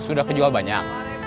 sudah kejual banyak